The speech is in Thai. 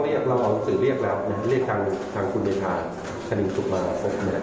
เดชาคลิงสุขมา๖แหน่ง